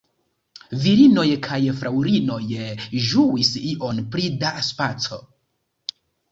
Virinoj kaj fraŭlinoj ĝuis ion pli da spaco.